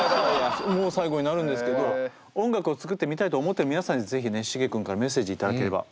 もう最後になるんですけど音楽を作ってみたいと思ってる皆さんに是非ねシゲ君からメッセージ頂ければ。